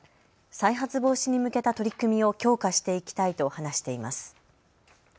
再発防止に向けた取り組みを強化していきたいと話しています。